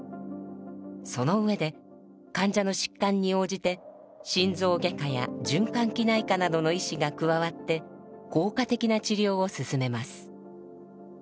その上で患者の疾患に応じて心臓外科や循環器内科などの医師が加わって効果的な治療を進めます。